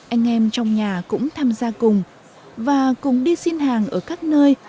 anh em trong nhà cũng tham gia cùng và cùng đi xin hàng ở các nơi